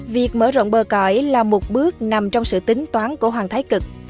việc mở rộng bờ cõi là một bước nằm trong sự tính toán của hoàng thái cực